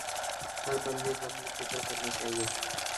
ہر بندے کو اپنی فکر کرنی چاہئے